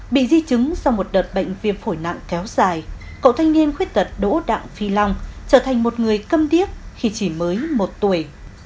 bị di chứng sau một đợt bệnh viêm phổi nặng kéo dài cậu thanh niên khuyết tật đỗ đặng phi long trở thành một người cầm điếc khi chỉ mới một tuổi